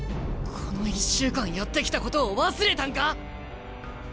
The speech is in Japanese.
この１週間やってきたことを忘れたんか？